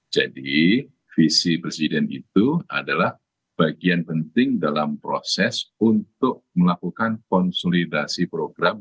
jadi visi presiden itu adalah bagian penting dalam proses untuk melakukan konsolidasi program